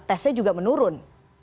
tesnya juga menurun